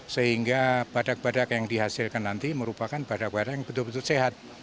sehingga badak badak yang dihasilkan nanti merupakan badak badak yang betul betul sehat